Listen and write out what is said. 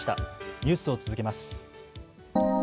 ニュースを続けます。